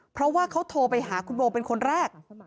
เพราะว่าเขาโทรไปหาคุณโบเป็นคนแรก